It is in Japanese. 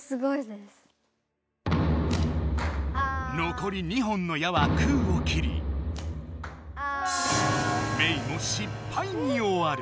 残り２本の矢は空を切りメイも失敗に終わる。